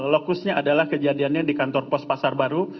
lokusnya adalah kejadiannya di kantor pos pasar baru